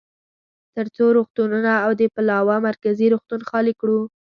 ترڅو روغتونونه او د پلاوا مرکزي روغتون خالي کړو.